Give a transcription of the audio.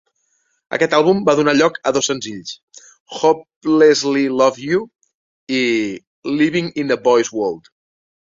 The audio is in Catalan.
Aquest àlbum va donar lloc a dos senzills: "Hopelessly Love You" i "Living In a Boy's World".